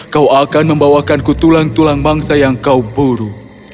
kau akan membawakanku tulang tulang bangsa yang kau buru